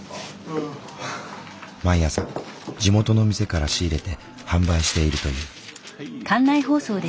毎朝地元の店から仕入れて販売しているという。